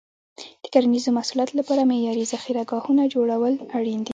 د کرنیزو محصولاتو لپاره معیاري ذخیره ګاهونه جوړول اړین دي.